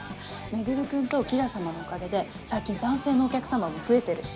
周君とキラ様のおかげで最近男性のお客様も増えてるし。